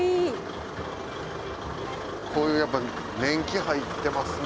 こういうやっぱ年季入ってますね。